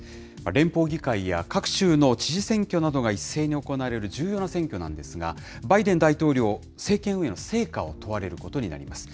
連邦議会や各州の知事選挙などが一斉に行われる重要な選挙なんですが、バイデン大統領、政権運営の成果を問われることになります。